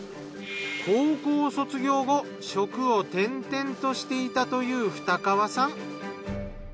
高校卒業後職を転々としていたという二川さん。